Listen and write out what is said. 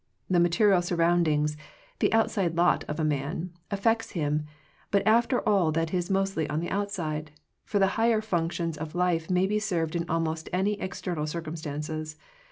The material surroundings, the outside lot of a man, affects him, but after all that is mostly on the outside; for the higher functions of life may be served in almost any external circumstances.